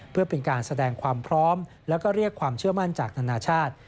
เพื่อเป็นการแสดงความพร้อมแล้วก็เรียกความเชื่อมั่นจากนานาชาติ